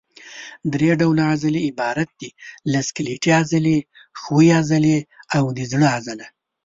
درې ډوله عضلې عبارت دي له سکلیټي عضلې، ښویې عضلې او د زړه عضله.